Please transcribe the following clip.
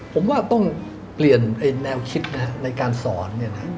ผมว่าต้องเปลี่ยนแนวคิดในการสอน